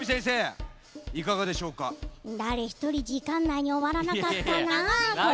だれひとりじかんないにおわらなかったなあ。